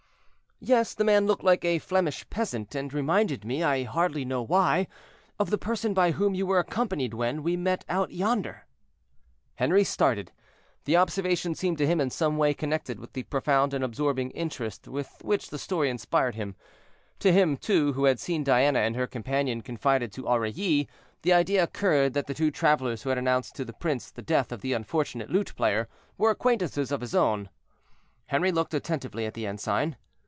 "Yes; the man looked like a Flemish peasant, and reminded me, I hardly know why, of the person by whom you were accompanied when we met out yonder." Henri started; the observation seemed to him in some way connected with the profound and absorbing interest with which the story inspired him; to him, too, who had seen Diana and her companion confided to Aurilly, the idea occurred that the two travelers who had announced to the prince the death of the unfortunate lute player were acquaintances of his own. Henri looked attentively at the ensign.